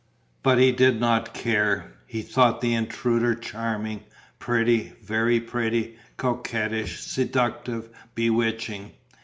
But he did not care: he thought the intruder charming, pretty, very pretty, coquettish, seductive, bewitching.